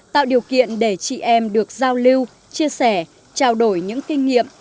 tạo điều kiện để chị em được giao lưu chia sẻ trao đổi những kinh nghiệm